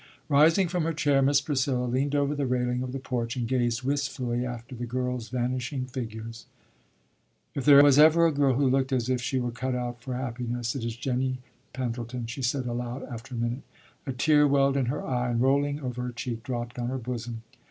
Rising from her chair, Miss Priscilla leaned over the railing of the porch, and gazed wistfully after the girls' vanishing figures. "If there was ever a girl who looked as if she were cut out for happiness, it is Jinny Pendleton," she said aloud after a minute. A tear welled in her eye, and rolling over her cheek, dropped on her bosom.